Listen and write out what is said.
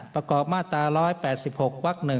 ประกอบมาตรา๑๘๖วัก๑